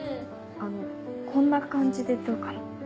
あのこんな感じでどうかな？